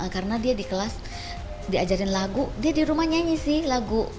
karena dia di kelas diajarin lagu dia di rumah nyanyi sih lagu